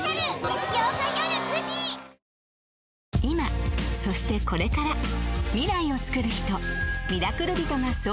［今そしてこれから］